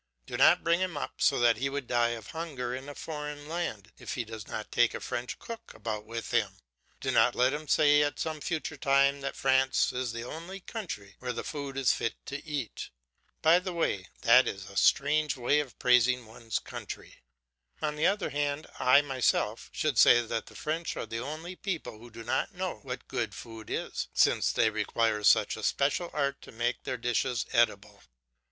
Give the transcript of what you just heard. Do not bring him up so that he would die of hunger in a foreign land if he does not take a French cook about with him; do not let him say at some future time that France is the only country where the food is fit to eat. By the way, that is a strange way of praising one's country. On the other hand, I myself should say that the French are the only people who do not know what good food is, since they require such a special art to make their dishes eatable.